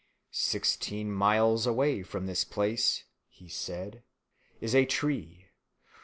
"Sixteen miles away from this place," he said, "is a tree.